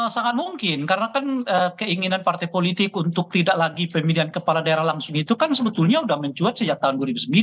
sangat mungkin karena kan keinginan partai politik untuk tidak lagi pemilihan kepala daerah langsung itu kan sebetulnya sudah mencuat sejak tahun dua ribu sembilan